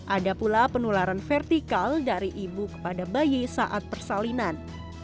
ada pula penularan vertikal dari ibu kepada bayi saat persalinan